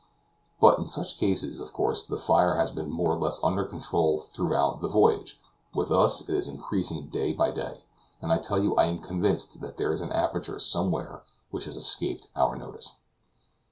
But, in such cases, of course the fire has been more or less under control throughout the voyage; with us, it is increasing day by day, and I tell you I am convinced there is an aperture somewhere which has escaped our notice."